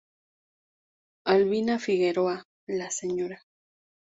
Albina Figueroa, la Sra.